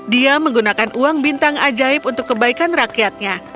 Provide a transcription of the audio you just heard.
dia menggunakan uang bintang ajaib untuk kebaikan rakyatnya